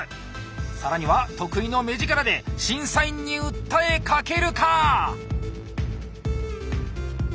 更には得意の目力で審査員に訴えかけるか！